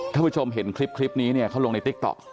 ท่านผู้ชมเห็นคลิปนี้เนี้ยเขาลงในสินค้า